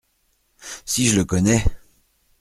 Si je le connais !